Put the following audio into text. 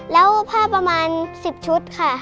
แล้วผ้าประมาณ๑๐ชุดค่ะ